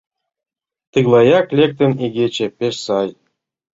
Тыглаяк лектын, игече пеш сай.